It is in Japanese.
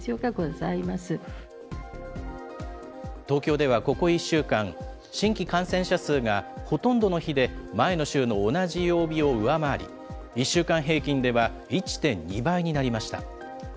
東京ではここ１週間、新規感染者数がほとんどの日で前の週の同じ曜日を上回り、１週間平均では１．２倍になりました。